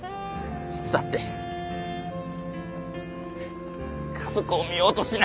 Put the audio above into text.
いつだって家族を見ようとしない！